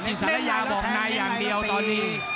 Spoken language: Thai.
สารยาบอกในอย่างเดียวตอนนี้